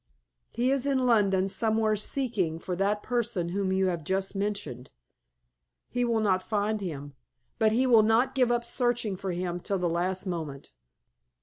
He is in London somewhere seeking for that person whom you have just mentioned. He will not find him, but he will not give up searching for him till the last moment.